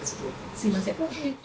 すみません。